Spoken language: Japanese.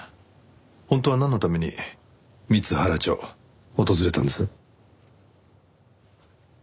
本当はなんのために光原町訪れたんです？